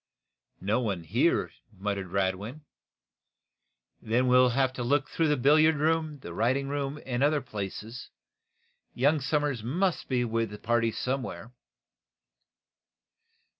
"No one here," murmured Radwin "Then we'll look through the billiard room, writing room and other places. Young Somers must be with the party somewhere."